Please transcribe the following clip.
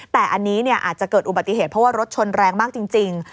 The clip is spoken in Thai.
แต่อันนี้อาจจะเกิดอุบัติเหตุเพราะว่ารถชนแรงมากจริง